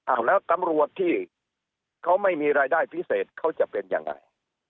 แล้วตำรวจที่เขาไม่มีรายได้พิเศษเขาจะเป็นยังไง